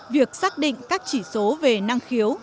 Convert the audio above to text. việc xác định các chỉ số về năng khiếu